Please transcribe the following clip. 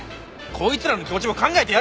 こいつらの気持ちも考えてやれよ！